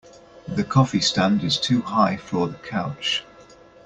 The coffee stand is too high for the couch.